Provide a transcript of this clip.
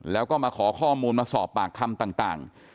แล้วก็มาขอข้อมูลมาสอบปากคำต่าง